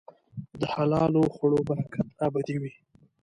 د حلال خوړو برکت ابدي وي.